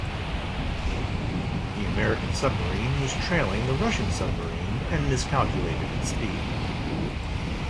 The American submarine was trailing the Russian submarine and miscalculated its speed.